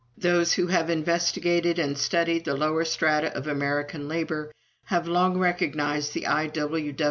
Those who have investigated and studied the lower strata of American labor have long recognized the I.